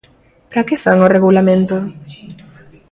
¿Para que fan o Regulamento?